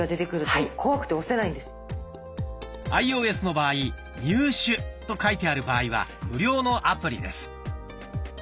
アイオーエスの場合「入手」と書いてある場合は無料のアプリです。